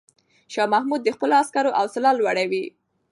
شاه محمود د خپلو عسکرو حوصله لوړوي.